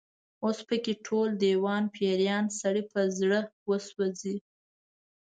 اوس په کې ټول، دېوان پيریان، سړی په زړه وسوځي